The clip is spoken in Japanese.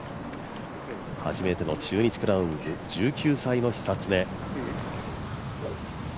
初めての中日クラウンズ１９歳の久常。